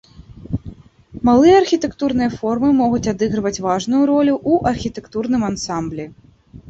Малыя архітэктурныя формы могуць адыгрываць важную ролю ў архітэктурным ансамблі.